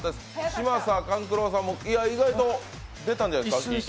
嶋佐さん、勘九郎さんも意外と出たんじゃないですか？